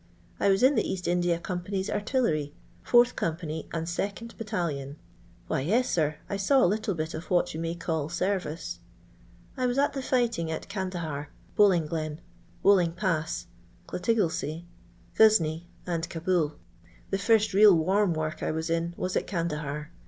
I was in the Bast India Com pany's artillery, 4th company and 2nd battalion. Why, yes, sir, I saw a little of what you may call 'service.' I was at the fighting at Candahar, Bowlinglen, Bowling pass, Clatigillsy, Ghnsneef and Caboul. The first real warm woric I was in was at Candahar.